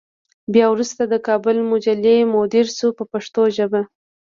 بیا وروسته د کابل مجلې مدیر شو په پښتو ژبه.